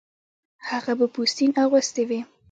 هغه به پوستین اغوستې وې